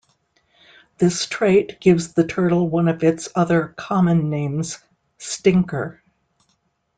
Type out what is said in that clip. This trait gives the turtle one of its other common names, "stinker".